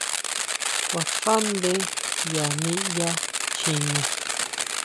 ¿Kuaxaʼnde ya niyá chjine?